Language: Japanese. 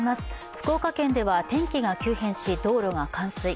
福岡県では天気が急変し、道路が完遂。